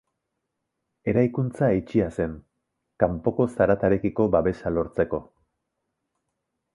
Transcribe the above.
Eraikuntza itxia zen, kanpoko zaratarekiko babesa lortzeko.